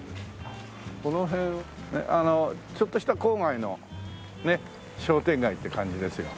この辺あのちょっとした郊外のねっ商店街って感じですよ。